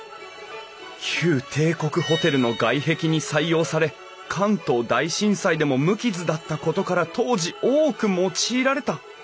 旧帝国ホテルの外壁に採用され関東大震災でも無傷だったことから当時多く用いられた。